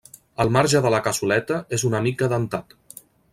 El marge de la cassoleta és una mica dentat.